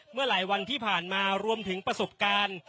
เมื่อหลายวันที่ผ่านมารวมถึงประสบการณ์